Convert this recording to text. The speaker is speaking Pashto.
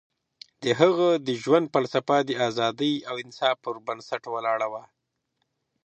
د هغه د ژوند فلسفه د ازادۍ او انصاف پر بنسټ ولاړه وه.